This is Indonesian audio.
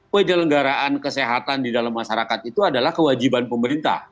penyelenggaraan kesehatan di dalam masyarakat itu adalah kewajiban pemerintah